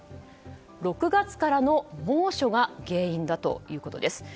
６月からの猛暑が原因だということです。